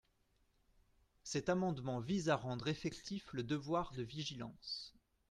Cet amendement vise à rendre effectif le devoir de vigilance.